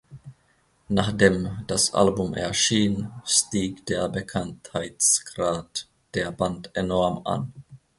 Nachdem das Album erschien, stieg der Bekanntheitsgrad der Band enorm an.